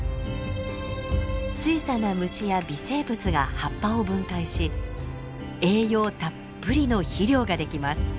小さな虫や微生物が葉っぱを分解し栄養たっぷりの肥料ができます。